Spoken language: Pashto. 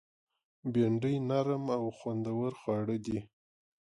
بېنډۍ نرم او خوندور خواړه دي